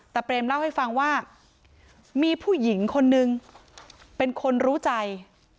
แต่เปรมเล่าให้ฟังว่ามีผู้หญิงคนนึงเป็นคนรู้ใจ